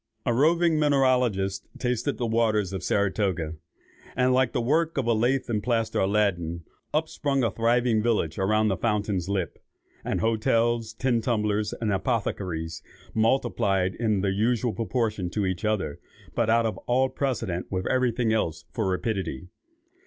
"A roving mineralogist tasted the waters of Saratoga, and, like the work of a lath and plaster Aladdin, up sprung a thriving village around the fountain's lip; and hotels, tin tumblers, and apothecaries, multiplied in the usual proportion to each other, but out of all precedent with every thing else for rapidity.